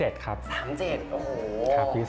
โหย้อนกลับไปนั่นทำให้ชี้เลย